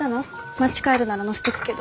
町帰るなら乗せてくけど。